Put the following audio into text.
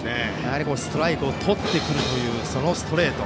ストライクをとってくるというそのストレート。